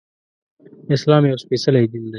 اسلام يو سپيڅلی دين دی